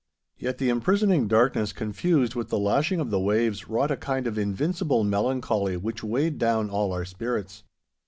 Yet the imprisoning darkness, confused with the lashing of the waves, wrought a kind of invincible melancholy which weighed down all our spirits.